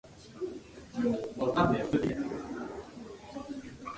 She enjoyed steady film work for the next dozen years.